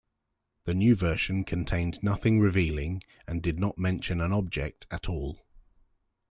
The new version contained nothing revealing, and did not mention an object at all.